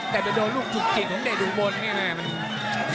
แต่จะโดนกลุ่มจุกจิกของเทดุมนท์